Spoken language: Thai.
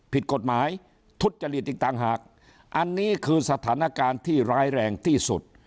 ผิดกฎหมายทุจจริตอีกต่างหากอันนี้คือสถานการณ์ที่ร้ายแรงที่สุด